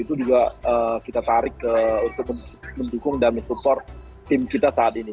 itu juga kita tarik untuk mendukung dan mensupport tim kita saat ini